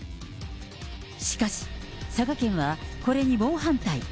しかし、佐賀県はこれに猛反対。